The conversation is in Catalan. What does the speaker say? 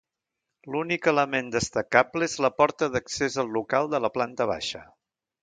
L'únic element destacable és la porta d'accés al local de la planta baixa.